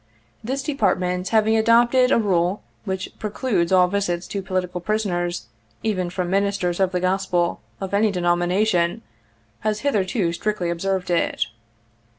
This Department having adopted a rule which precludes all visits to political prisoners, even from Ministers of the Gospel — of any denomination — has hitherto strictly observed it.